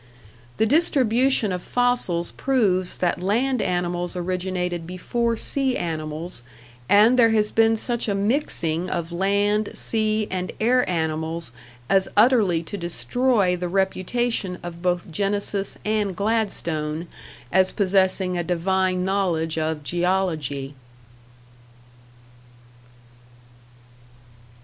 The distribution of fossils proves that land animals originated before sea animals, and there has been such a mixing of land, sea and air animals as utterly to destroy the reputation of both Genesis and Gladstone as possessing a divine knowledge of Geology.